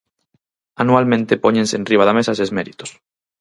Anualmente póñense enriba da mesa eses méritos.